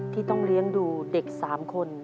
ที่ต้องเลี้ยงดูเด็ก๓คน